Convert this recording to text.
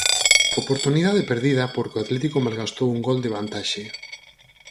Oportunidade perdida porque o Atlético malgastou un gol de vantaxe.